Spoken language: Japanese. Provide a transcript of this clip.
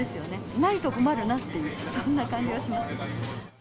ないと困るなっていう、そんな感じはします。